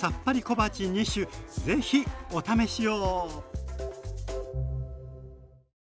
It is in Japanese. ぜひお試しを。